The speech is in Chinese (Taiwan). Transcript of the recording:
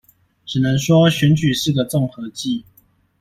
只能說選舉是個綜合技